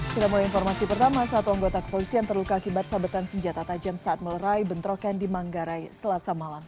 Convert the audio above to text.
kita mulai informasi pertama satu anggota kepolisian terluka akibat sabetan senjata tajam saat melerai bentrokan di manggarai selasa malam